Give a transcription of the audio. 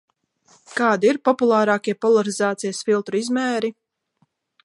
Kādi ir populārākie polarizācijas filtru izmēri?